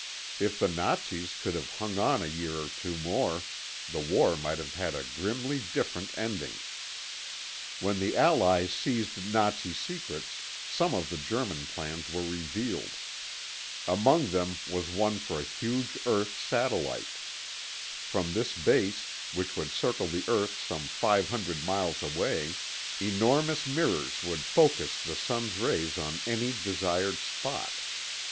If the Nazis could have hung on a year or two more, the war might have had a grimly different ending. When the Allies seized Nazi secrets, some of the German plans were revealed. Among them was one for a huge earth satellite. From this base, which would circle the earth some five hundred miles away, enormous mirrors would focus the sun's rays on any desired spot.